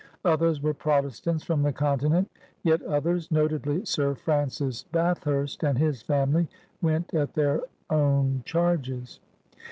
Others were Protestants from the Continent. Yet others — notably Sir Francis Bathurst and his family — went at their own charges.